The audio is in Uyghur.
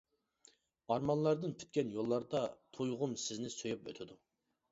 ئارمانلاردىن پۈتكەن يوللاردا، تۇيغۇم سىزنى سۆيۈپ ئۆتىدۇ.